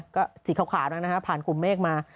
ก็สิทธิ์ขาวแล้วนะฮะผ่านกลุ่มเมฆมา